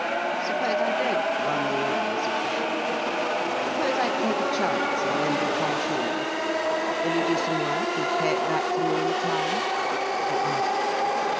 "Suppose I don't 'run you in,' as you put it? Suppose I take a chance and lend you five shillings, will you do some work and pay it back to me in time?" he asked.